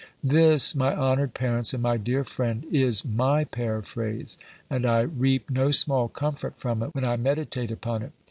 This, my honoured parents, and my dear friend, is my paraphrase; and I reap no small comfort from it, when I meditate upon it.